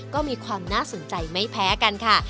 ก็มีความน่าสนใจไม่แพ้กันค่ะ